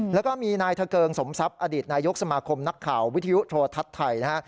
แล้วก็มีนายทะเกิงสมทรัพย์อดีตนายกสมาคมนักข่าววิทยุโทรทัศน์ไทยนะฮะ